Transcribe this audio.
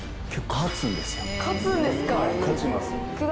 勝つんです。